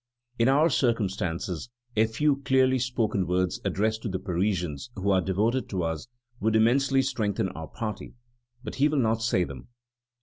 In our circumstances, a few clearly spoken words addressed to the Parisians who are devoted to us would immensely strengthen our party, but he will not say them."